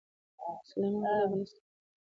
سلیمان غر د افغانستان د ځمکې د جوړښت نښه ده.